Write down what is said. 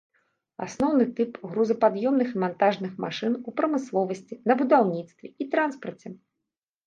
Асноўны тып грузапад'ёмных і мантажных машын у прамысловасці, на будаўніцтве і транспарце.